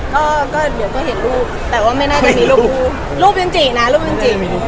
ก็ก็เดี๋ยวก็เห็นรูปแต่ว่าไม่น่าจะมีรูปรูปจริงนะรูปจริง